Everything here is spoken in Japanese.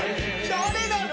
誰なの？